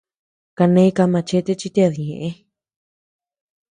Kane ka machete chi ted ñeʼë.